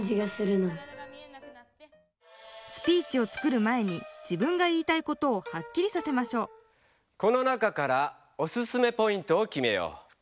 スピーチを作る前に自分が言いたいことをはっきりさせましょうこの中からオススメポイントをきめよう。